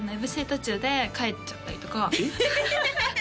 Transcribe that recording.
途中で帰っちゃったりとかえっ？